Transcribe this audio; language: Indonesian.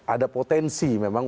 ada potensi memang